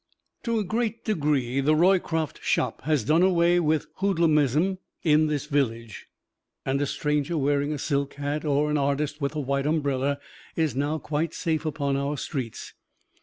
To a great degree the Roycroft Shop has done away with hoodlumism in this village, and a stranger wearing a silk hat, or an artist with a white umbrella, is now quite safe upon our streets.